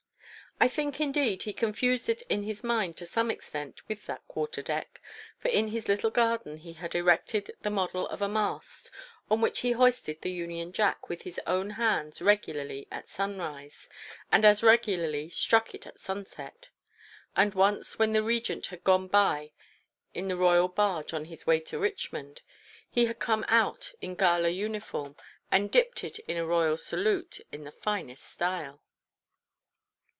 I think, indeed, he confused it in his mind to some extent with that quarterdeck, for in his little garden he had erected the model of a mast, on which he hoisted the Union Jack with his own hands regularly at sunrise, and as regularly struck it at sunset. And once, when the Regent had gone by in the Royal barge on his way to Richmond, he had come out in gala uniform, and dipped it in a Royal salute in the finest style.